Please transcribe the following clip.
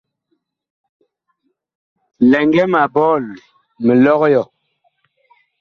Lɛŋgɛ ma bɔɔl mi lɔg yɔ.